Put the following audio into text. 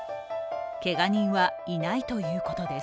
けが人はいないということです。